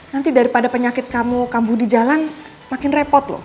nanti daripada penyakit kamu kambuh di jalan makin repot loh